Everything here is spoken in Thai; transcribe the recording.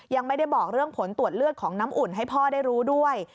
ยังไม่ได้บอกเรื่องผลตรวจเลือดของน้ำอุ่นให้พ่อได้รู้ด้วย